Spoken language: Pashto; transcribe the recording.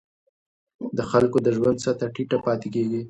د خلکو د ژوند سطحه ټیټه پاتې کېږي.